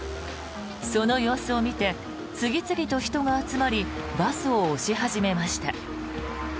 その様子を見て次々と人が集まりバスを押し始めました。